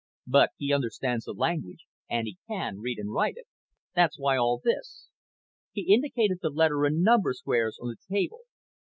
But he understands the language and he can read and write it. That's why all this." He indicated the letter and number squares on the table.